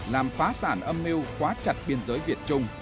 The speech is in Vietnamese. làm phá sản âm mưu quá chặt biên giới việt trung